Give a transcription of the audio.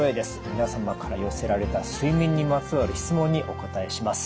皆様から寄せられた睡眠にまつわる質問にお答えします。